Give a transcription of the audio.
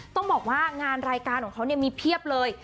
ต้องบอกว่างานรายการของเขามีเพียบเลย